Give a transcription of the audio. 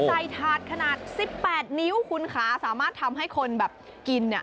ใส่ถาดขนาด๑๘นิ้วคุณค้าสามารถทำให้คนแบบกิน